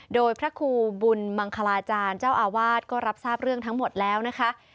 โดยพระครูบุญมังคลาจารย์เจ้าอาวาสก็รับทราบเรื่องทั้งหมดแล้วนะคะ